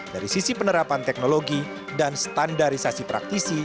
dari sisi penerapan teknologi dan standarisasi praktisi